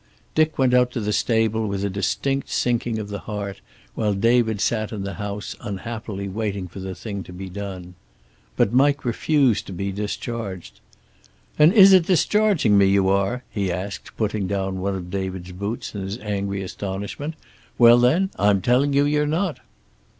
Dick went out to the stable with a distinct sinking of the heart, while David sat in the house, unhappily waiting for the thing to be done. But Mike refused to be discharged. "And is it discharging me you are?" he asked, putting down one of David's boots in his angry astonishment. "Well, then, I'm telling you you're not."